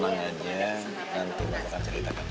mau temangannya nanti aku akan ceritakan